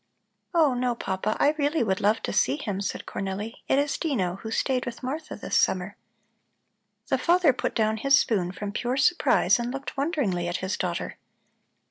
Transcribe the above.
"Oh, no, Papa, I really would love to see him," said Cornelli. "It is Dino, who stayed with Martha this summer." The father put down his spoon from pure surprise and looked wonderingly at his daughter.